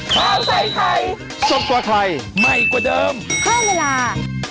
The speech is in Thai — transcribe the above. ข้าวใส่ไทยสดกว่าไทยใหม่กว่าเดิมเพิ่มเวลา